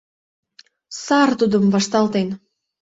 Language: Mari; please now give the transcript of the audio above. Сар тудым вашталтен.